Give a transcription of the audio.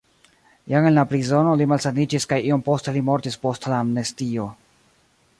Jam en la prizono li malsaniĝis kaj iom poste li mortis post la amnestio.